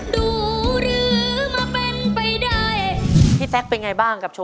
ดูหรือมาเป็นไปดาย